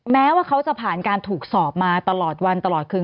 แม้ว่าเขาจะผ่านการถูกสอบมาตลอดวันตลอดคืน